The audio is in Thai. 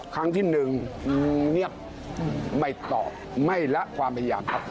ครั้งที่หนึ่งเงียบไม่ตอบไม่ละความพยายามครับ